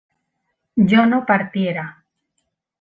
yo no partiera